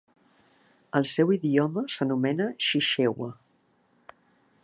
El seu idioma s'anomena Chichewa.